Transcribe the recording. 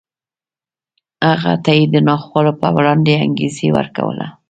هغه ته یې د ناخوالو په وړاندې انګېزه ورکوله